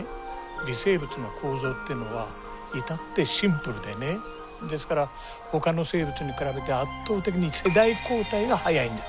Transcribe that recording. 微生物の構造ってのは至ってシンプルでねですからほかの生物に比べて圧倒的に世代交代が速いんです。